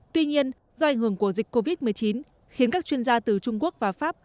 tuy nhiên do ảnh hưởng của dịch covid một mươi chín khiến các chuyên gia từ trung quốc và pháp